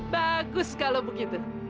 bagus kalau begitu